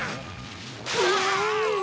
うわ！